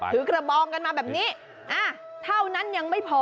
ถือกระบองกันมาแบบนี้เท่านั้นยังไม่พอ